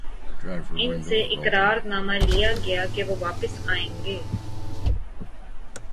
ان سے اقرار نامہ لیا گیا کہ وہ واپس آئیں گے۔